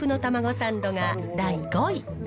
サンドが第５位。